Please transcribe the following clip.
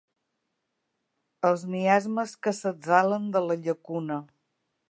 Els miasmes que s'exhalen de la llacuna.